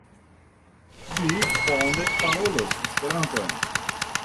Vi bone parolas Esperanton.